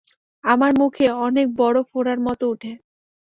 আমার মুখে অনেক বড় ফোঁড়ার মত উঠে।